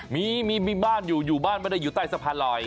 มีมีบ้านอยู่อยู่บ้านไม่ได้อยู่ใต้สะพานลอย